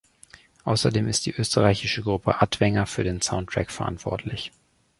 Außerdem ist die österreichische Gruppe Attwenger für den Soundtrack verantwortlich.